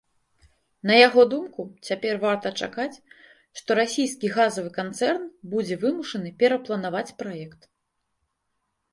На яго думку, цяпер варта чакаць, што расійскі газавы канцэрн будзе вымушаны перапланаваць праект.